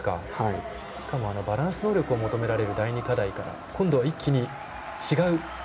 しかもバランス能力を求められる第２課題とは今度は一気に違う。